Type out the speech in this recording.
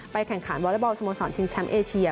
แข่งขันวอเล็กบอลสโมสรชิงแชมป์เอเชีย